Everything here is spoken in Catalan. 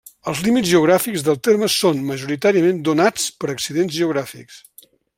Els límits geogràfics del terme són, majoritàriament, donats per accidents geogràfics.